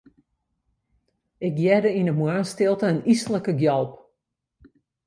Ik hearde yn 'e moarnsstilte in yslike gjalp.